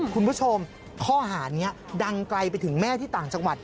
คุณผู้ชมข้อหานี้ดังไกลไปถึงแม่ที่ต่างจังหวัด